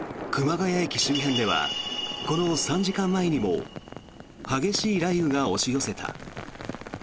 谷駅周辺ではこの３時間前にも激しい雷雨が押し寄せた。